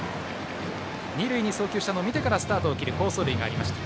二塁に送球したのを見てスタートする好走塁がありました。